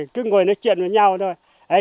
cứ ngồi nói chuyện với nhau thôi